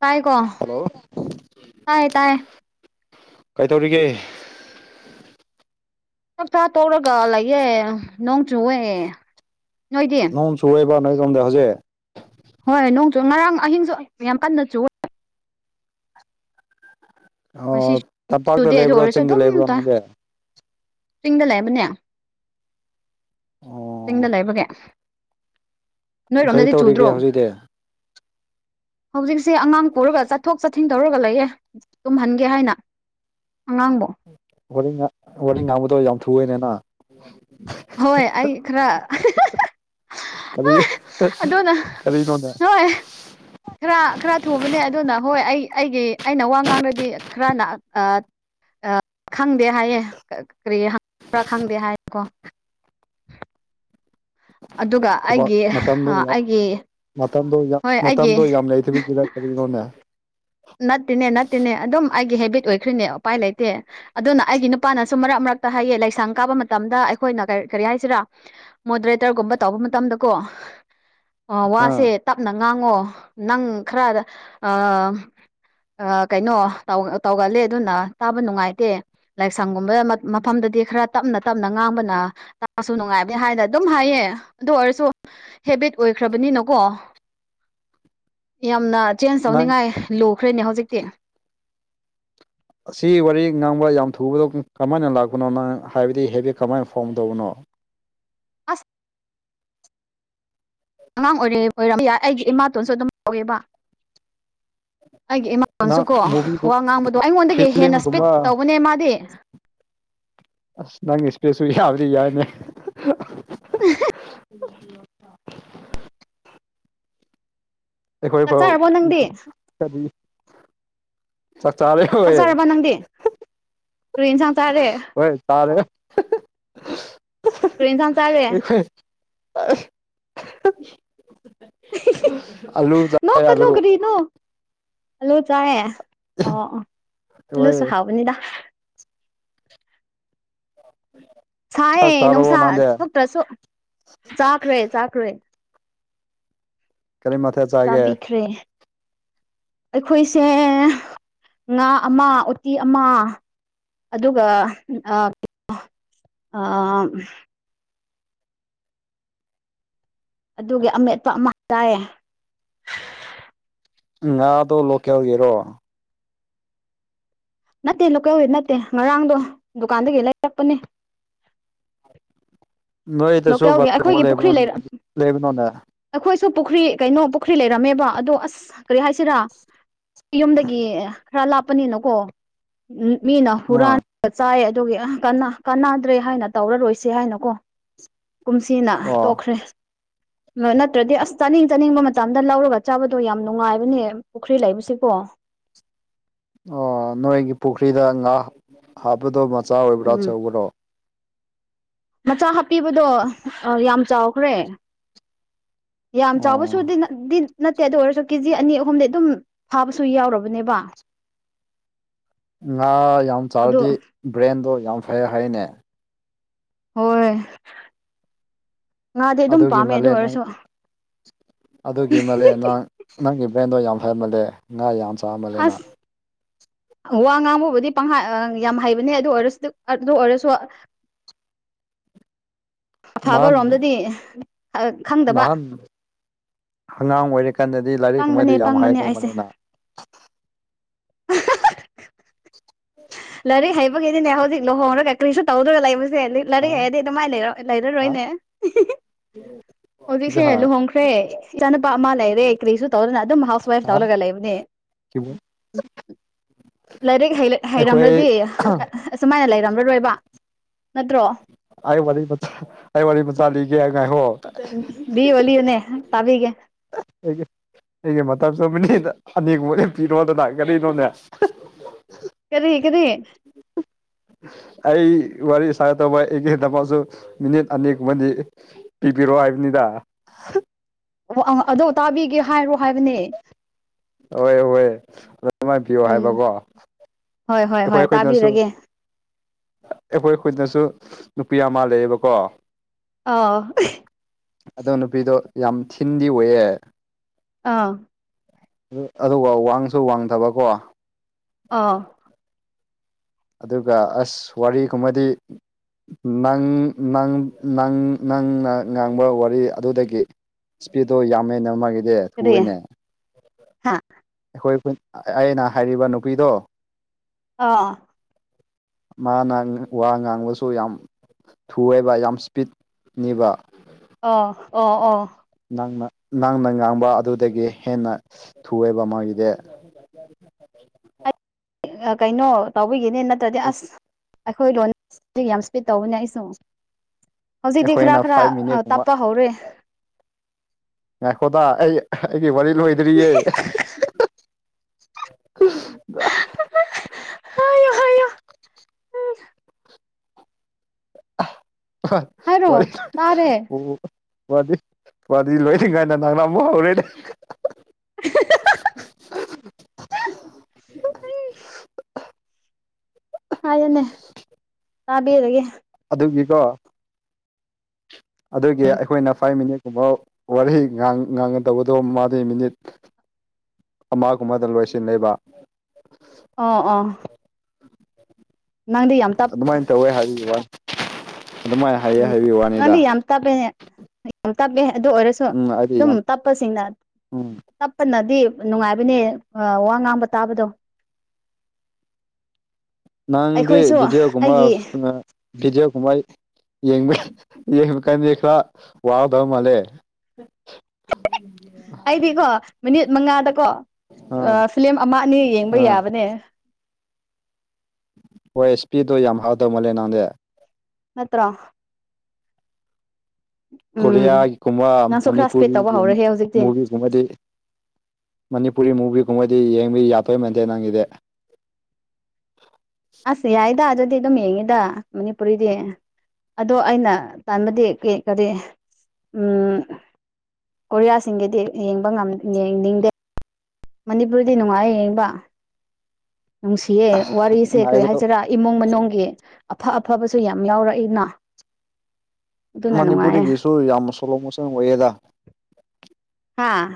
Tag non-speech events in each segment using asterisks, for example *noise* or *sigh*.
ꯇꯥꯏ ꯀꯣ ꯍꯜꯂꯣ ꯇꯥꯏ ꯇꯥꯏ ꯀꯩꯗꯧꯔꯤꯒꯦ ꯆꯥꯛ ꯆꯥ ꯇꯣꯛꯔꯒꯥ ꯂꯩꯌꯦ ꯅꯣꯡ ꯆꯨꯋꯦ ꯅꯣꯏꯗꯤ ꯅꯣꯡ ꯆꯨꯋꯦꯕ ꯅꯣꯏꯔꯣꯝꯗ ꯍꯧꯖꯤꯛ ꯍꯣꯏ ꯅꯣꯡꯆꯨ ꯉꯔꯥꯡ ꯑꯍꯤꯡꯁꯨ ꯌꯥꯝ ꯀꯟꯅ ꯆꯨꯋꯥ ꯉꯁꯤ ꯑꯣ ꯇꯝꯄꯥꯛꯇ ꯆꯨꯗꯦ ꯑꯗꯨ ꯂꯩꯕ꯭ꯔꯣ ꯑꯣꯏꯔꯁꯨ ꯆꯤꯡꯗ ꯑꯗꯨꯝ ꯂꯩꯕ꯭ꯔꯣ ꯇꯥꯏ ꯅꯪꯗꯤ ꯆꯤꯡꯗ ꯂꯩꯕꯅꯦ ꯆꯤꯡꯗ ꯑꯣ ꯂꯩꯕꯒꯤ ꯀꯔꯤ ꯅꯣꯏꯔꯣꯝꯗꯗꯤ ꯆꯨꯗ꯭ꯔꯣ ꯇꯧꯔꯤꯒꯦ ꯍꯧꯖꯤꯛꯇꯤ ꯍꯧꯖꯤꯛꯁꯦ ꯑꯉꯥꯡ ꯄꯨꯔꯒ ꯆꯠꯊꯣꯛ ꯆꯠꯁꯤꯟ ꯇꯧꯔꯒ ꯂꯩꯌꯦ ꯇꯨꯝꯍꯟꯒꯦ ꯍꯥꯏꯅ ꯑꯉꯥꯡꯕꯣ ꯋꯥꯔꯤ ꯉꯥꯡ ꯋꯥꯔꯤ ꯉꯥꯡꯕꯗꯣ ꯌꯥꯝ ꯊꯨꯑꯦꯅꯦ ꯅꯪ ꯍꯣꯏ ꯑꯩ ꯈꯔ ꯀꯔꯤ *unintelligible* ꯑꯗꯨꯅ ꯀꯔꯤꯅꯣꯅꯦ ꯍꯣꯏ ꯈꯔ ꯈꯔ ꯊꯨꯕꯅꯦ ꯑꯗꯨꯅ ꯍꯣꯏ ꯑꯩ ꯑꯩꯒꯤ ꯑꯩꯅ ꯋꯥ ꯉꯥꯡꯔꯗꯤ ꯈꯔꯅ ꯑꯥ ꯑ ꯈꯪꯗꯦ ꯍꯥꯏꯌꯦ ꯀꯔꯤ ꯍꯪꯕ꯭ꯔꯥ ꯈꯪꯗꯦ ꯍꯥꯏ ꯀꯣ ꯑꯗꯨꯒ ꯊꯕꯛ ꯑꯩꯒꯤ ꯃꯇꯝꯗꯣ ꯑꯥ ꯌꯥꯝ ꯑꯩꯒꯤ ꯃꯇꯝꯗꯣ ꯌꯥꯝ ꯍꯣꯏ ꯑꯩꯒꯤ ꯃꯇꯝꯗꯣ ꯌꯥꯝ ꯂꯩꯇꯕꯒꯤꯔꯥ ꯀꯔꯤꯅꯣꯅꯦ ꯅꯠꯇꯦꯅꯦ ꯅꯠꯇꯦꯅꯦ ꯑꯗꯨꯝ ꯑꯩꯒꯤ ꯍꯦꯕꯤꯠ ꯑꯣꯏꯈ꯭ꯔꯤꯅꯦ ꯎꯄꯥꯏ ꯂꯩꯇꯦ ꯑꯗꯨꯅ ꯑꯩꯒꯤ ꯅꯨꯄꯥꯅꯁꯨ ꯃꯔꯛ ꯃꯔꯛꯇ ꯍꯥꯏꯌꯦ ꯂꯩꯁꯥꯡ ꯀꯥꯕ ꯃꯇꯝꯗ ꯑꯩꯈꯣꯏꯅ ꯀ ꯀꯔꯤ ꯍꯥꯏꯁꯤꯔꯥ ꯃꯣꯗꯔꯦꯇꯔꯒꯨꯝꯕ ꯇꯧꯕ ꯃꯇꯝꯗꯀꯣ ꯑ ꯋꯥꯁꯦ ꯑꯥ ꯇꯞꯅ ꯉꯥꯡꯉꯣ ꯅꯪ ꯈꯔ ꯑ ꯑ ꯀꯩꯅꯣ ꯇꯧ ꯇꯧꯒꯜꯂꯦ ꯑꯗꯨꯅ ꯇꯥꯕ ꯅꯨꯡꯉꯥꯏꯇꯦ ꯂꯥꯏꯁꯪꯒꯨꯝꯕꯗ ꯃꯐꯝꯗꯗꯤ ꯈꯔ ꯇꯞꯅ ꯇꯞꯅ ꯉꯥꯡꯕꯅ ꯇꯥꯕꯁꯨ ꯅꯨꯡꯉꯥꯏꯕꯅꯦ ꯍꯥꯏꯅ ꯑꯗꯨꯝ ꯍꯥꯏꯌꯦ ꯑꯗꯨ ꯑꯣꯏꯔꯁꯨ ꯍꯦꯕꯤꯠ ꯑꯣꯏꯈ꯭ꯔꯕꯅꯤꯅꯀꯣ ꯌꯥꯝꯅ ꯆꯦꯟ ꯅꯪ ꯆꯣꯡꯅꯤꯡꯉꯥꯏ ꯂꯨꯈ꯭ꯔꯦꯅꯦ ꯍꯧꯖꯤꯛꯇꯤ ꯑꯁꯤ ꯋꯥꯔꯤ ꯉꯥꯡꯕ ꯌꯥꯝ ꯊꯨꯕꯗꯣ ꯀꯃꯥꯏꯅ ꯂꯥꯛꯄꯅꯣ ꯅꯪ ꯍꯥꯏꯕꯗꯤ ꯍꯦꯕꯤꯠ ꯀꯃꯥꯏꯅ ꯐꯣꯝ ꯇꯧꯕꯅꯣ ꯑꯁ ꯑꯉꯥꯡ ꯑꯣꯏꯔꯤ *unintelligible* ꯑꯩꯒꯤ ꯏꯃꯥꯇꯣꯟꯁꯨ ꯑꯗꯨꯝ ꯇꯧꯋꯦꯕ ꯑꯩꯒꯤ ꯅꯪ ꯏꯃꯥꯇꯣꯟꯁꯨꯀꯣ ꯃꯨꯚꯤꯒꯨꯝ ꯋꯥ ꯉꯥꯡꯕꯗꯣ ꯑꯩꯉꯣꯟꯗꯒꯤ ꯍꯦꯟꯅ ꯏꯁꯄꯤꯠ ꯐꯤꯂꯤꯝꯒꯨꯝꯕ ꯇꯧꯕꯅꯦ ꯃꯥꯗꯤ ꯑꯁ ꯅꯪꯒꯤ ꯏꯁꯄꯤꯠꯁꯨ ꯌꯥꯕꯗꯤ ꯌꯥꯏꯅꯦ *unintelligible* *unintelligible* ꯆꯥꯛ ꯑꯩꯈꯣꯏꯐꯧ ꯆꯥꯔꯕꯣ ꯅꯪꯗꯤ *unintelligible* ꯆꯥꯛ ꯆꯥꯔꯦ ꯆꯥꯛ ꯍꯣꯏ ꯆꯥꯔꯕ ꯅꯪꯗꯤ ꯀꯔꯤ ꯏꯟꯁꯥꯡ ꯆꯥꯔꯦ ꯍꯣꯏ ꯇꯥꯔꯦ ꯀꯔꯤ ꯏꯟꯁꯥꯡ ꯆꯥꯔꯦ *unintelligible* ꯑꯂꯨ ꯆꯥꯏ ꯅꯣꯛꯀꯅꯨ ꯑꯂꯨ ꯀꯔꯤꯅꯣ ꯑꯂꯨ ꯆꯥꯏ ꯑꯣ ꯑꯣ ꯍꯣꯏ ꯑꯂꯨꯁꯨ ꯍꯥꯎꯕꯅꯤꯗ *inaudible* ꯁꯥꯏ ꯆꯥꯛ ꯆꯥꯔꯕꯣ ꯅꯨꯡꯁꯥ ꯅꯪꯗꯤ ꯊꯣꯛꯇ꯭ꯔꯁꯨ ꯆꯥꯈ꯭ꯔꯦ ꯆꯥꯈ꯭ꯔꯦ ꯀꯔꯤ ꯃꯊꯦꯜ ꯆꯥꯒꯦ ꯆꯥꯕꯤꯈ꯭ꯔꯦ ꯑꯩꯈꯣꯏꯁꯦ ꯉꯥ ꯑꯃ ꯎꯇꯤ ꯑꯃ ꯑꯗꯨꯒ ꯑꯥ ꯑꯥ ꯑꯗꯨꯒꯤ ꯑꯃꯦꯠꯄ ꯑꯃ ꯆꯥꯏ ꯉꯥꯗꯣ ꯂꯣꯀꯦꯜꯒꯤꯔꯣ ꯅꯠꯇꯦ ꯂꯣꯀꯦꯜꯒꯤ ꯅꯠꯇꯦ ꯉꯔꯥꯡꯗꯣ ꯗꯨꯀꯥꯟꯗꯒꯤ ꯂꯩꯔꯛꯄꯅꯤ ꯅꯣꯏꯗꯁꯨ ꯂꯣꯀꯦꯜꯒꯤ ꯑꯩꯈꯣꯏꯒꯤ ꯄꯨꯈ꯭ꯔꯤ ꯂꯩꯔ *unintelligible* ꯂꯩꯕ꯭ꯔꯣꯅꯦ ꯑꯩꯈꯣꯏꯁꯨ ꯄꯨꯈ꯭ꯔꯤ ꯀꯩꯅꯣ ꯄꯨꯈ꯭ꯔꯤ ꯂꯩꯔꯝꯃꯦꯕ ꯑꯗꯣ ꯑꯁ ꯀꯔꯤ ꯍꯥꯏꯁꯤꯔꯥ ꯌꯨꯝꯗꯒꯤ ꯈꯔ ꯂꯥꯞꯄꯅꯤꯅꯀꯣ ꯃꯤꯅ ꯑꯥ ꯍꯨꯔꯥꯟ *unintelligible* ꯆꯥꯏ ꯑꯗꯨꯒꯤ ꯀꯥꯟꯅ ꯀꯥꯟꯅꯗ꯭ꯔꯦ ꯍꯥꯏꯅ ꯇꯧꯔꯔꯣꯏꯁꯦ ꯍꯥꯏꯅ ꯀꯣ ꯀꯨꯝꯁꯤꯅ ꯑꯣ ꯇꯣꯛꯈ꯭ꯔꯦ ꯅꯠꯇ꯭ꯔꯗꯤ ꯑꯁ ꯆꯥꯅꯤꯡ ꯆꯥꯅꯤꯡꯕ ꯃꯇꯝꯗ ꯂꯧꯔꯒ ꯆꯥꯕꯗꯣ ꯌꯥꯝ ꯅꯨꯡꯉꯥꯏꯕꯅꯦ ꯄꯨꯈ꯭ꯔꯤ ꯂꯩꯕꯁꯤꯀꯣ ꯑꯣ ꯅꯣꯏꯒꯤ ꯄꯨꯈ꯭ꯔꯤꯗ ꯉꯥ ꯍꯥꯞꯄꯗꯣ ꯃꯆꯥ ꯑꯣꯏꯕ꯭ꯔꯥ ꯎꯝ ꯑꯆꯧꯕꯔꯣ ꯃꯆꯥ ꯍꯥꯞꯄꯤꯕꯗꯣ ꯌꯥꯝ ꯆꯥꯎꯈ꯭ꯔꯦ ꯌꯥꯝ ꯑꯣ ꯆꯥꯎꯕꯁꯨꯗꯤ ꯅꯠꯗꯤ ꯅꯠꯇꯦ ꯑꯗꯨ ꯑꯣꯏꯔꯁꯨ ꯀꯦ ꯖꯤ ꯑꯅꯤ ꯑꯍꯨꯝꯗꯤ ꯑꯗꯨꯝ ꯐꯥꯕꯁꯨ ꯌꯥꯎꯔꯕꯅꯦꯕ ꯉꯥ ꯌꯥꯝ ꯑꯗꯨ ꯆꯥꯔꯗꯤ ꯕ꯭ꯔꯦꯟꯗꯣ ꯌꯥꯝ ꯐꯩꯌꯦ ꯍꯥꯏꯅꯦ ꯍꯣꯏ ꯉꯥꯗꯤ ꯑꯗꯨꯝ ꯑꯗꯨꯒꯤ ꯄꯥꯝꯃꯦ ꯑꯗꯨ ꯃꯥꯜꯂꯦ ꯅꯪ ꯑꯣꯏꯔꯁꯨ ꯑꯗꯨꯒꯤ ꯃꯥꯜꯂꯦ ꯅꯪ ꯅꯪꯒꯤ ꯕ꯭ꯔꯦꯟꯗꯣ ꯌꯥꯝ ꯐꯃꯜꯂꯦ ꯉꯥ ꯌꯥꯝ ꯆꯥꯃꯜꯂꯦꯅ ꯑꯁ ꯋꯥ ꯉꯥꯡꯕꯕꯨꯗꯤ ꯄꯪꯍꯥ ꯑꯥ ꯌꯥꯝ ꯍꯩꯕꯅꯦ ꯑꯗꯨ ꯑꯣꯏꯔꯁꯨ ꯑꯗꯨ ꯑꯣꯏꯔꯁꯨ ꯑꯐꯕ ꯅꯍꯥꯟ ꯔꯣꯝꯗꯗꯤ ꯅꯍꯥꯟ ꯑꯉꯥꯡ ꯑꯣꯏꯔꯤꯀꯥꯟꯗꯗꯤ ꯂꯥꯏꯔꯤꯛ ꯄꯪꯕꯅꯦ ꯀꯨꯝꯕꯩꯗꯤ ꯌꯥꯝ ꯄꯪꯕꯅꯦ ꯑꯩꯁꯦ ꯍꯩꯗꯧꯕꯅꯤꯅ *inaudible* ꯂꯥꯏꯔꯤꯛ ꯍꯩꯕꯒꯤꯅꯤꯅꯦ ꯍꯧꯖꯤꯛ ꯂꯨꯍꯣꯡꯔꯒ ꯀꯔꯤꯁꯨ ꯇꯧꯗ꯭ꯔꯥꯒ ꯂꯩꯕꯁꯦ ꯂꯤ ꯍꯥ ꯂꯥꯏꯔꯤꯛ ꯍꯩꯔꯗꯤ ꯁꯨꯃꯥꯏ ꯂꯩꯔ ꯍꯥ ꯂꯩꯔꯔꯣꯏꯅꯦ *inaudible* ꯍꯧꯖꯤꯛꯁꯦ ꯖꯍꯥ ꯂꯨꯍꯣꯡꯈ꯭ꯔꯦ ꯏꯆꯥꯅꯨꯄꯥ ꯑꯃ ꯂꯩꯔꯦ ꯀꯔꯤꯁꯨ ꯇꯧꯗꯅ ꯑꯗꯨꯝ ꯍꯥꯎꯁ ꯋꯥꯏꯐ ꯍꯥ ꯂꯧꯔꯒ ꯂꯩꯕꯅꯦ *inaudible* ꯂꯥꯏꯔꯤꯛ ꯍꯩ ꯍꯩꯔꯝꯔ ꯑꯩꯈꯣꯏ *unintelligible* ꯑꯁꯨꯃꯥꯏꯅ ꯂꯩꯔꯝꯂꯔꯣꯏꯕ ꯅꯠꯇ꯭ꯔꯣ ꯑꯩ ꯋꯥꯔꯤ ꯃꯆꯥ ꯑꯩ ꯋꯥꯔꯤ ꯃꯆꯥ ꯂꯤꯒꯦ ꯉꯥꯏꯈꯣ ꯎꯝ ꯂꯤꯌꯣ ꯂꯤꯌꯣꯅꯦ ꯇꯥꯕꯤꯒꯦ ꯑꯩꯒꯤ ꯃꯇꯝ *inaudible* ꯑꯅꯤ ꯒꯨꯝꯕ *inaudible* ꯀꯔꯤꯅꯣꯅꯦ ꯀꯔꯤ ꯀꯔꯤ *inaudible* ꯑꯩ ꯋꯥꯔꯤ ꯁꯥꯏ ꯇꯧꯕ ꯑꯩꯒꯤꯗꯃꯛꯁꯨ ꯃꯤꯅꯤꯠ ꯑꯅꯤꯒꯨꯝꯕꯗꯤ ꯄꯤꯕꯤꯔꯣ ꯍꯥꯏꯕꯅꯤꯗ ꯑꯣ ꯑꯪ ꯑꯗꯣ ꯇꯥꯕꯤꯒꯦ ꯍꯥꯏꯔꯣ ꯍꯥꯏꯕꯅꯦ ꯍꯣꯏ ꯍꯣꯏ ꯑꯗꯨꯃꯥꯏ ꯄꯤꯌꯣ ꯎꯝ ꯍꯥꯏꯕꯀꯣ ꯍꯣꯏ ꯍꯣꯏ ꯑꯩꯈꯣꯏ ꯍꯣꯏ ꯑꯩꯈꯣꯏꯅꯁꯨ ꯇꯥꯕꯤꯔꯒꯦ ꯑꯩꯈꯣꯏ ꯑꯩꯈꯣꯏꯗꯁꯨ ꯅꯨꯄꯤ ꯑꯃ ꯂꯩꯌꯦꯕꯀꯣ ꯑꯥꯎ ꯑꯗꯣ ꯅꯨꯄꯤꯗꯣ ꯌꯥꯝ ꯊꯤꯟꯗꯤ ꯑꯣꯏꯌꯦ ꯑꯥ ꯑꯗꯨꯒ ꯋꯥꯡꯁꯨ ꯋꯥꯡꯗꯥꯕꯀꯣ ꯑꯥꯎ ꯑꯗꯨꯒ ꯑꯁ ꯋꯥꯔꯤꯒꯨꯝꯕꯗꯤ ꯅꯪ ꯅꯪ ꯅꯪ ꯅꯪꯅ ꯉꯥꯡꯕ ꯋꯥꯔꯤ ꯑꯗꯨꯗꯒꯤ ꯏꯁꯄꯤꯠꯇꯣ ꯌꯥꯝꯃꯦꯅ ꯃꯥꯒꯤꯗꯤ ꯀꯔꯤ ꯊꯨꯏꯋꯦꯅꯦ ꯍꯥ ꯑꯩꯈꯣꯏ ꯑꯩꯅ ꯍꯥꯏꯔꯤꯕ ꯅꯨꯄꯤꯗꯣ ꯑꯥ ꯃꯥꯅ ꯋꯥ ꯉꯥꯡꯕꯁꯨ ꯌꯥꯝ ꯊꯨꯋꯦꯕ ꯌꯥꯝ ꯏꯁꯄꯤꯠꯅꯤꯕ ꯑꯣ ꯑꯣ ꯑꯣ ꯅꯪꯅ ꯅꯪꯅ ꯉꯥꯡꯕ ꯑꯗꯨꯗꯒꯤ ꯍꯦꯟꯅ ꯊꯨꯑꯦꯕ ꯃꯥꯒꯤꯗꯤ ꯑꯥ ꯀꯩꯅꯣ ꯇꯧꯕꯤꯒꯤꯅꯤ ꯅꯠꯇ꯭ꯔꯥꯗꯤ ꯑꯁ ꯑꯩꯈꯣꯏ ꯂꯣꯟ ꯗꯨ ꯌꯥꯝ ꯏꯁꯄꯤꯠ ꯇꯧꯕꯅꯦ ꯑꯩꯁꯨ ꯍꯧꯖꯤꯛꯇꯤ ꯈꯔꯥ ꯑꯩꯈꯣꯏꯅ ꯈꯔꯥ ꯐꯥꯏꯚ ꯑꯥ ꯃꯤꯅꯤꯠꯀꯨꯝꯕ ꯇꯞꯄ ꯍꯧꯔꯦ ꯉꯥꯏꯈꯣꯗꯥ ꯑꯩ ꯑꯩꯒꯤ ꯋꯥꯔꯤ ꯂꯣꯏꯗ꯭ꯔꯤꯌꯦ *unintelligible* ꯍꯥꯏꯔꯣ ꯇꯥꯔꯦ ꯋꯥꯗꯤ ꯋꯥꯔꯤ ꯂꯣꯏꯅꯤꯉꯥꯏꯗ ꯅꯪꯅ ꯑꯃꯨꯛ ꯍꯧꯔꯦꯅꯦ ꯍꯥꯏꯌꯣꯅꯦ ꯇꯥꯕꯤꯔꯒꯦ ꯑꯗꯨꯒꯤꯀꯣ ꯑꯗꯨꯒꯤ ꯑꯩꯈꯣꯏꯅ ꯐꯥꯏꯚ ꯃꯤꯅꯤꯠ ꯀꯨꯝꯕ ꯋꯥꯔꯤ ꯉꯥꯡ ꯉꯥꯡꯒꯗꯧꯕꯗꯣ ꯃꯥꯗꯤ ꯃꯤꯅꯤꯠ ꯑꯃꯒꯨꯝꯕꯗ ꯂꯣꯏꯁꯤꯜꯂꯦꯕ ꯑꯣ ꯑꯣ ꯅꯪꯗꯤ ꯌꯥꯝ ꯇꯞ ꯑꯗꯨꯃꯥꯏꯟ ꯇꯧꯋꯦ ꯍꯥꯏꯕꯒꯤ ꯋꯥꯅꯤ ꯑꯗꯨꯃꯥꯏ ꯍꯥꯏꯌꯦ ꯍꯥꯏꯕꯒꯤ ꯋꯥꯅꯤꯗ ꯇꯞꯕꯦꯅꯦ ꯌꯥꯝ ꯇꯞꯕꯦ ꯑꯗꯨ ꯑꯣꯏꯔꯁꯨ ꯎꯝ ꯑꯩꯗꯤ ꯗꯨꯝ ꯌꯥꯝ ꯇꯞꯄꯁꯤꯡꯅ ꯎꯝ ꯇꯞꯄꯅꯗꯤ ꯅꯨꯉꯥꯏꯕꯅꯦ ꯑꯥ ꯋꯥ ꯉꯥꯡꯕ ꯇꯥꯕꯗꯣ ꯅꯪꯗꯤ ꯑꯩꯈꯣꯏꯁꯨ ꯚꯗꯤꯑꯣꯒꯨꯝꯕ ꯑ ꯑꯩꯒꯤ ꯚꯤꯗꯤꯑꯣ ꯀꯨꯝꯃꯥꯏ ꯌꯦꯡꯕ ꯌꯦꯡꯕ ꯀꯥꯟꯗꯤ ꯈꯔ ꯋꯥꯒꯗꯕ ꯃꯥꯜꯂꯦ ꯑꯩꯗꯤꯀꯣ ꯃꯤꯅꯤꯠ ꯃꯉꯥꯗꯀꯣ ꯑꯥ ꯐꯤꯂꯤꯝ ꯑꯃ ꯑꯅꯤ ꯌꯦꯡꯕ ꯑꯥ ꯌꯥꯕꯅꯦ ꯍꯣꯏ ꯏꯁꯄꯤꯠꯗꯣ ꯌꯥꯝ ꯍꯥꯎꯗꯧ ꯃꯜꯂꯦ ꯅꯪꯗꯤ ꯅꯠꯇ꯭ꯔꯣ ꯎꯝ ꯀꯣꯔꯤꯌꯥꯒꯤ ꯀꯨꯝꯕ ꯅꯪꯁꯨ ꯈꯔ ꯏꯁꯄꯦꯠ ꯇꯧꯕ ꯃꯅꯤꯄꯨꯔꯤꯒꯤ ꯍꯧꯔꯍꯦ ꯍꯧꯖꯤꯛꯇꯤ ꯃꯨꯚꯤꯁ ꯒꯨꯝꯕꯗꯤ ꯃꯅꯤꯄꯨꯔꯤ ꯃꯨꯚꯤꯒꯨꯝꯕꯗꯤ ꯌꯦꯡꯕ ꯌꯥꯇꯣꯏ ꯃꯥꯟꯗꯦ ꯅꯪꯒꯤꯗꯤ ꯑꯁ ꯌꯥꯌꯦꯗ ꯑꯗꯨꯗꯤ ꯑꯗꯨꯝ ꯌꯦꯡꯉꯤꯗ ꯃꯅꯤꯄꯨꯔꯤꯗꯤ ꯑꯗꯣ ꯑꯩꯅ ꯇꯟꯕꯗꯤ ꯀꯦ ꯀꯔꯤ ꯎꯝ ꯀꯣꯔꯤꯌꯥꯁꯤꯡꯒꯤꯗꯤ ꯌꯦꯡꯕ ꯉꯝ ꯌꯦꯡꯅꯤꯡꯗꯦ ꯃꯅꯤꯄꯨꯔꯗꯤ ꯅꯨꯉꯥꯌꯦ ꯌꯦꯡꯕ ꯅꯨꯡꯁꯤꯌꯦ ꯋꯥꯔꯤꯁꯦ ꯀꯔꯤ ꯉꯥꯏꯕꯗꯣ ꯍꯥꯏꯁꯤꯔꯥ ꯏꯃꯨꯡ ꯃꯅꯨꯡꯒꯤ ꯑꯐ ꯑꯐꯕꯁꯨ ꯌꯥꯝ ꯌꯥꯎꯔꯛꯏꯅ ꯑꯗꯨꯅ ꯅꯨꯡꯉꯥꯏꯌꯦ ꯃꯅꯤꯄꯨꯔꯤꯒꯤꯁꯨ ꯌꯥꯝ ꯁꯣꯂꯣ ꯃꯣꯁꯟ ꯑꯣꯏꯌꯦꯗ ꯍꯥꯥ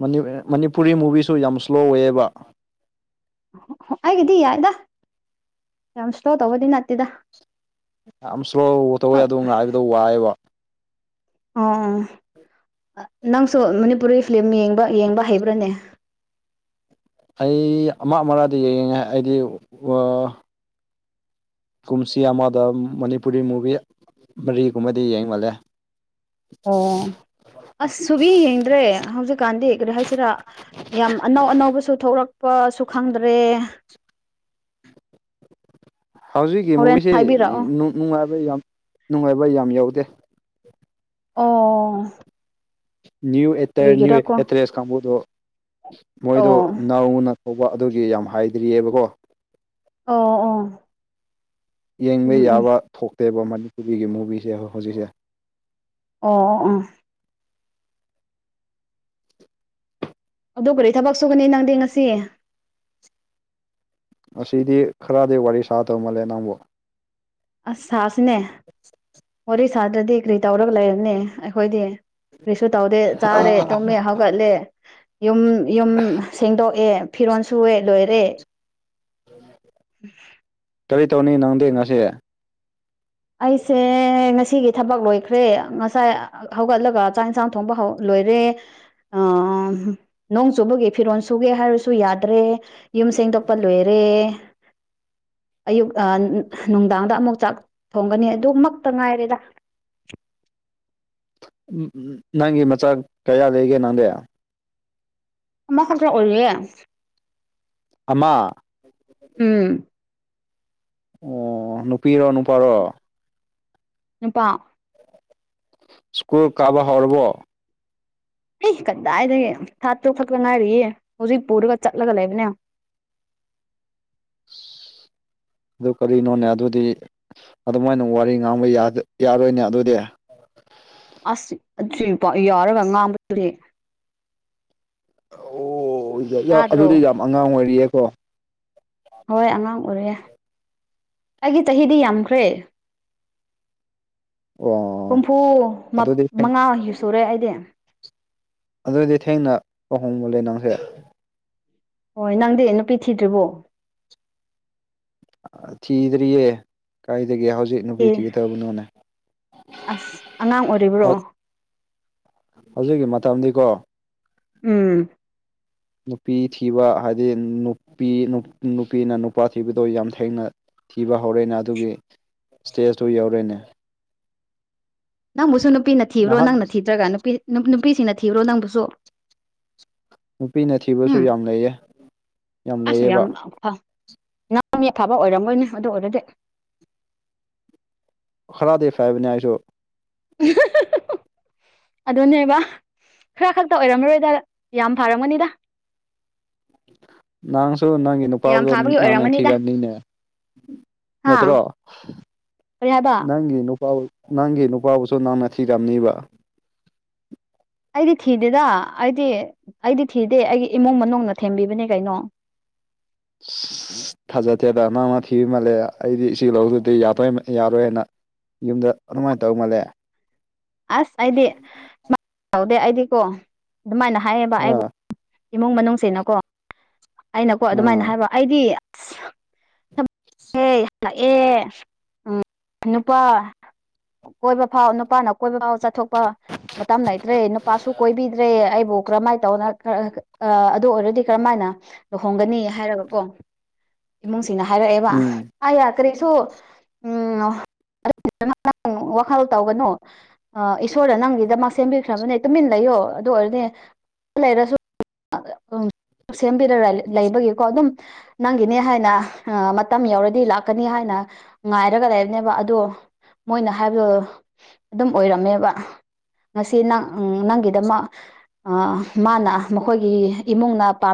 ꯃꯅꯤꯞ ꯑꯦ ꯃꯅꯤꯄꯨꯔꯤ ꯃꯨꯚꯤꯁꯨ ꯌꯥꯝ ꯁ꯭ꯂꯣ ꯑꯣꯏꯌꯦꯕ ꯑꯣ ꯑꯩꯒꯤꯗꯤ ꯌꯥꯏꯗ ꯌꯥꯝ ꯁ꯭ꯂꯣ ꯇꯧꯕꯗꯤ ꯅꯠꯇꯦꯗ ꯌꯥꯝ ꯁ꯭ꯂꯣ ꯇꯧꯋꯦ ꯑꯗꯨ ꯉꯥꯏꯕꯗꯣ ꯋꯥꯏꯑꯦꯕ ꯑꯣ ꯑꯣ ꯅꯪꯁꯨ ꯃꯅꯤꯄꯨꯔꯤ ꯐꯤꯂꯤꯝ ꯌꯦꯡꯕ ꯌꯦꯡꯕ ꯍꯩꯕ꯭ꯔꯥꯅꯦ ꯑꯩ ꯑꯃ ꯑꯃꯔꯛꯗꯤ ꯌꯦꯡꯉꯦ ꯑꯩꯗꯤ ꯀꯨꯝꯁꯤ ꯑꯃꯗ ꯃꯅꯤꯄꯨꯔꯤ ꯃꯨꯚꯤ ꯃꯔꯤꯒꯨꯝꯕꯗꯤ ꯌꯦꯡ ꯃꯥꯜꯂꯦ ꯑꯣ ꯑꯁ ꯁꯨꯕꯤ ꯌꯦꯡꯗ꯭ꯔꯦ ꯍꯧꯖꯤꯛꯀꯥꯟꯗꯤ ꯀꯔꯤ ꯍꯥꯏꯁꯤꯔꯥ ꯌꯥꯝ ꯑꯅꯧ ꯑꯅꯧꯕꯁꯨ ꯊꯣꯛꯔꯛꯄꯁꯨ ꯈꯪꯗ꯭ꯔꯦ ꯍꯧꯖꯤꯛꯀꯤ ꯍꯣꯔꯦꯟ ꯃꯨꯕꯤꯁꯤ ꯍꯥꯏꯕꯤꯔꯛꯑꯣ ꯅꯨꯡ ꯅꯨꯉꯥꯏꯕ ꯌꯥꯝ ꯅꯨꯉꯥꯏꯕ ꯌꯥꯝ ꯌꯧꯗꯦ ꯑꯣ ꯅꯌ꯭ꯨ ꯑꯦꯇꯔ ꯅꯌ꯭ꯨ ꯀꯔꯤꯒꯤꯔꯀꯣ ꯑꯦꯇꯔꯦꯁ ꯀꯥꯡꯕꯨꯗꯣ ꯃꯣꯏꯗꯣ ꯑꯣ ꯅꯧꯅ ꯍꯧꯕ ꯑꯗꯨꯒꯤ ꯌꯥꯝ ꯍꯥꯏꯗ꯭ꯔꯤꯑꯕꯀꯣ ꯑꯣ ꯑꯣ ꯌꯦꯡꯕ ꯎꯝ ꯎꯝ ꯌꯥꯕ ꯊꯣꯛꯇꯦꯕ ꯃꯅꯤꯄꯨꯔꯤꯒꯤ ꯃꯨꯕꯤꯁꯦ ꯍꯧꯖꯤꯛꯁꯦ ꯑꯣ ꯑꯣ ꯑꯗꯨ ꯀꯔꯤ ꯊꯕꯛ ꯁꯨꯒꯅꯤ ꯅꯪꯗꯤ ꯉꯁꯤ ꯉꯁꯤꯗꯤ ꯈꯔꯗꯤ ꯋꯥꯔꯤ ꯁꯥꯗꯧ ꯃꯥꯜꯂꯦ ꯅꯪꯕꯨ ꯑꯁ ꯁꯥꯁꯤꯅꯦ ꯋꯥꯔꯤ ꯁꯥꯗ꯭ꯔꯗꯤ ꯀꯔꯤ ꯇꯧꯔꯒ ꯂꯩꯔꯕꯅꯦ ꯑꯩꯈꯣꯏꯗꯤ ꯀꯔꯤꯁꯨ ꯇꯧꯗꯦ ꯆꯥꯔꯦ ꯇꯨꯝꯃꯦ ꯍꯧꯒꯠꯂꯦ ꯌꯨꯝ ꯌꯨꯝ ꯁꯦꯡꯗꯣꯛꯑꯦ ꯐꯤꯔꯣꯟ ꯁꯨꯋꯦ ꯂꯣꯏꯔꯦ *inaudible* ꯀꯔꯤ ꯇꯧꯅꯤ ꯅꯪꯗꯤ ꯉꯁꯤ? ꯑꯩꯁꯦ ꯉꯁꯤꯒꯤ ꯊꯕꯛ ꯂꯣꯏꯈ꯭ꯔꯦ ꯉꯁꯥꯏ ꯍꯧꯒꯠꯂꯒ ꯆꯥꯛ ꯏꯟꯁꯥꯡ ꯊꯣꯡꯕ ꯂꯣꯏꯔꯦ꯫ ꯅꯣꯡ ꯆꯨꯕꯒꯤ ꯐꯤꯔꯣꯜ ꯁꯨꯒꯦ ꯍꯥꯏꯔꯁꯨ ꯌꯥꯗ꯭ꯔꯦ꯫ ꯌꯨꯝ ꯁꯦꯡꯗꯣꯛꯄ ꯂꯣꯏꯔꯦ ꯑꯌꯨꯛ ꯅꯨꯡꯗꯥꯡꯗ ꯑꯃꯨꯛ ꯆꯥꯛ ꯊꯣꯡꯒꯅꯤ ꯑꯗꯨꯃꯛꯇ ꯉꯥꯏꯔꯦꯗ꯫ ꯅꯪꯒꯤ ꯃꯆꯥꯥꯛ ꯀꯌꯥ ꯂꯩꯒꯦ ꯅꯪꯗꯤ? ꯑꯃ ꯈꯛꯇ ꯑꯣꯏꯌꯦ꯫ ꯑꯃ ꯎꯝ ꯑꯣ ꯅꯨꯄꯤꯔꯣ, ꯅꯨꯄꯥꯔꯣ? ꯅꯨꯄꯥ꯫ ꯁ꯭ꯀꯨꯜ ꯀꯥꯕꯥ ꯍꯧꯔꯕꯣ? ꯑꯩ ꯀꯗꯥꯏꯗꯒꯤ ꯊꯥ ꯇꯔꯨꯛ ꯈꯛꯇ ꯉꯥꯏꯔꯤꯌꯦ ꯍꯧꯖꯤꯛ ꯄꯨꯔꯒ ꯆꯠꯂꯒ ꯂꯩꯕꯅꯦ꯫ *inaudible* ꯑꯗꯨ ꯀꯔꯤꯅꯣꯅꯦ ꯑꯗꯨꯗꯤ ꯑꯗꯨꯃꯥꯏꯅ ꯋꯥꯔꯤ ꯉꯥꯡꯕ ꯌꯥꯔꯣꯏꯅꯦ ꯑꯗꯨꯗꯤ꯫ ꯑꯁ ꯑꯗꯨ *unintelligible* ꯌꯥꯔꯒ ꯉꯥꯡꯕꯗꯨꯗꯤ꯫ ꯑꯣ ꯇꯥꯗ꯭ꯔꯣ ꯑꯗꯨꯗꯤ ꯌꯥꯝ ꯑꯉꯥꯡ ꯑꯣꯏꯔꯤꯌꯦꯀꯣ꯫ ꯍꯣꯏ ꯑꯉꯥꯡ ꯑꯣꯏꯔꯦ ꯑꯩꯒꯤ ꯆꯍꯤꯗꯤ ꯌꯥꯝꯈ꯭ꯔꯦ꯫ ꯍꯨꯝꯐꯨ ꯑꯣ ꯑꯗꯨꯗꯤ ꯃꯉꯥ ꯁꯨꯔꯦ ꯑꯩꯗꯤ꯫ ꯑꯗꯨꯗꯤ ꯊꯦꯡꯅ ꯂꯨꯍꯣꯡꯃꯟꯂꯦ ꯅꯪꯁꯦ꯫ ꯍꯣꯏ ꯅꯪꯗꯤ ꯅꯨꯄꯤ ꯊꯤꯗ꯭ꯔꯤꯕꯣ? ꯊꯤꯗ꯭ꯔꯤꯌꯦ ꯀꯥꯏꯗꯒꯤ ꯍꯧꯖꯤꯛ꯫ ꯊꯤ ꯅꯨꯄꯤ ꯊꯤꯒꯗꯕꯅꯣꯅꯦ꯫ ꯑꯁ ꯑꯉꯥꯡ ꯑꯣꯏꯔꯤꯕ꯭ꯔꯣ ꯍꯧꯖꯤꯛꯀꯤ ꯃꯇꯝꯗꯤꯀꯣ꯫ ꯎꯝ ꯅꯨꯄꯤ ꯊꯤꯕ ꯍꯥꯏꯗꯤ ꯅꯨꯄꯤ ꯅꯨꯄꯤꯅ ꯅꯨꯄꯥ ꯊꯤꯕꯗꯣ ꯌꯥꯝ ꯊꯦꯡꯅ ꯊꯤꯕ ꯍꯧꯔꯦꯅꯦ ꯑꯗꯨꯒꯤ ꯏꯁꯇꯦꯖꯇꯨ ꯌꯧꯔꯦꯅꯦ꯫ ꯅꯪꯕꯨꯁꯨ ꯅꯨꯄꯤꯅ ꯊꯤꯕ꯭ꯔꯣ, ꯅꯍꯥꯟ ꯅꯪꯅ ꯊꯤꯗ꯭ꯔꯒ ꯅꯨꯄꯤ ꯅꯨꯄꯤꯁꯤꯅ ꯊꯤꯕ꯭ꯔꯣ ꯅꯪꯕꯨꯁꯨ? ꯅꯨꯄꯤꯅ ꯊꯤꯕꯁꯨ ꯎꯝ ꯌꯥꯝ ꯂꯩꯌꯦ, ꯌꯥꯝ ꯂꯩꯌꯦꯕ꯫ *unintelligible* ꯅꯪ ꯃꯤ ꯑꯐꯕ ꯑꯣꯏꯔꯝꯃꯣꯏꯅꯦ ꯑꯗꯨ ꯑꯣꯏꯔꯗꯤ꯫ ꯈꯔꯗꯤ ꯐꯩꯕꯅꯦ ꯑꯩꯁꯨ꯫ *inaudible* ꯑꯗꯨꯅꯦꯕ ꯈꯔ ꯈꯥꯛꯇ ꯑꯣꯏꯔꯝꯃꯔꯣꯏꯗ ꯌꯥꯝ ꯐꯥꯔꯝꯒꯅꯤꯗ꯫ ꯅꯪꯁꯨ ꯅꯪꯒꯤ ꯌꯥꯝ ꯅꯨꯄꯥꯗꯣ ꯐꯥꯕꯒꯤ ꯅꯪꯅ ꯑꯣꯏꯔꯝꯒꯅꯤꯗ ꯊꯤꯔꯝꯅꯤꯅꯦ꯫ ꯍꯥ ꯅꯠꯇ꯭ꯔꯣ? ꯀꯔꯤ ꯍꯥꯏꯕ ꯅꯪꯒꯤ ꯅꯨꯄꯥꯕꯨ ꯅꯪꯒꯤ ꯅꯨꯄꯥꯕꯨꯁꯨ ꯅꯪꯅ ꯊꯤꯔꯝꯅꯤꯕ꯫ ꯑꯩꯗꯤ ꯊꯤꯗꯦꯗ ꯑꯩꯗꯤ ꯑꯩꯗꯤ ꯊꯤꯗꯦ ꯑꯩꯒꯤ ꯏꯃꯨꯡ ꯃꯅꯨꯡꯅ ꯊꯦꯝꯕꯤꯕꯅꯦ ꯀꯩꯅꯣ꯫ *unintelligible* ꯊꯥꯖꯗꯦꯗ ꯅꯪꯅ ꯊꯤꯕ ꯃꯥꯜꯂꯦ ꯑꯩꯗꯤ ꯁꯤ ꯂꯧꯗꯗꯤ ꯌꯇꯦ ꯌꯥꯔꯣꯏ ꯍꯥꯏꯅ꯫ ꯌꯨꯝꯗ ꯑꯗꯨꯃꯥꯏꯅ ꯇꯧ ꯃꯥꯜꯂꯦ꯫ ꯑꯁ ꯑꯩꯗꯤ *unintelligible* ꯑꯩꯗꯤꯀꯣ ꯑꯗꯨꯃꯥꯏꯅ ꯍꯥꯏꯌꯦꯕ ꯑꯩꯕꯨ ꯑꯥ ꯏꯃꯨꯡ ꯃꯅꯨꯡꯁꯤꯅꯀꯣ꯫ ꯑꯩꯅꯀꯣ ꯑꯗꯨꯃꯥꯏꯅ ꯑꯥ ꯍꯥꯏꯕ ꯑꯩꯗꯤ ꯑꯁ ꯑꯦ ꯍꯥꯜꯂꯛꯑꯦ ꯎꯝ ꯅꯨꯄꯥ ꯀꯣꯏꯕ ꯐꯥꯎ ꯅꯨꯄꯥꯅ ꯀꯣꯏꯕ ꯐꯥꯎ ꯆꯥꯠꯊꯣꯛꯄ ꯃꯇꯝ ꯂꯩꯇ꯭ꯔꯦ ꯅꯨꯄꯥꯁꯨ ꯀꯣꯏꯕꯤꯗ꯭ꯔꯦ ꯑꯩꯕꯨ ꯀꯔꯝꯃꯥꯏ ꯇꯧꯅ ꯑꯥ ꯑꯗꯨ ꯑꯣꯏꯔꯗꯤ ꯀꯔꯝꯃꯥꯏꯅ ꯂꯨꯍꯣꯡꯒꯅꯤ ꯍꯥꯏꯔꯒꯀꯣ ꯏꯃꯨꯡꯁꯤꯅ ꯍꯥꯏꯔꯛꯑꯦꯕ ꯎꯝ ꯑꯌꯥ ꯀꯔꯤꯁꯨ ꯎꯝ ꯑꯗꯨꯒꯤꯗꯃꯛ ꯅꯪ ꯋꯥꯈꯜ ꯇꯧꯒꯅꯨ ꯑꯥ ꯏꯁꯣꯔꯅ ꯅꯪꯒꯤꯗꯃꯥꯛ ꯁꯦꯝꯕꯤꯈ꯭ꯔꯕꯅꯦ ꯇꯨꯃꯤꯟ ꯂꯩꯌꯣ ꯑꯗꯨ ꯑꯣꯏꯔꯗꯤ ꯂꯩꯔꯁꯨ ꯁꯦꯝꯕꯤꯔ ꯂꯩꯕꯒꯤꯀꯣ ꯑꯗꯨꯝ ꯅꯪꯒꯤꯅꯦ ꯍꯥꯏꯅ ꯃꯇꯝ ꯌꯥꯎꯔꯗꯤ ꯂꯥꯛꯀꯅꯤ ꯍꯥꯏꯅ ꯉꯥꯏꯔꯒ ꯂꯩꯕꯅꯦꯕ ꯑꯗꯣ ꯃꯣꯏꯅ ꯍꯥꯏꯕꯗꯣ ꯑꯗꯨꯝ ꯑꯣꯏꯔꯝꯃꯦꯕ ꯉꯁꯤ ꯅꯪ ꯅꯪꯒꯤꯗꯃꯛ ꯃꯥꯅ ꯃꯈꯣꯏꯒꯤ ꯏꯃꯨꯡꯅ ꯄꯝ